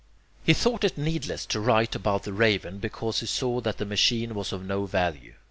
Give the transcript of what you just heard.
He thought it needless to write about the raven, because he saw that the machine was of no value.